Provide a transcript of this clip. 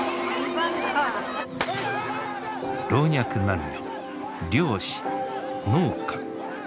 老若男女漁師農家勤め人。